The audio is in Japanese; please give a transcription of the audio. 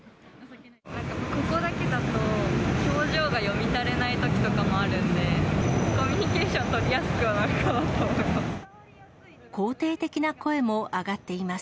ここだけだと表情が読み取れないときとかもあるんで、コミュニケーション取りやすくはなるかなと思います。